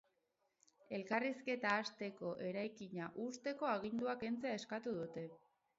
Elkarrizketa hasteko eraikina husteko agindua kentzea eskatu dute.